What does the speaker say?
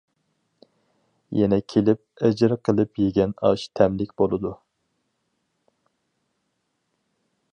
يەنە كېلىپ ئەجىر قىلىپ يېگەن ئاش تەملىك بولىدۇ.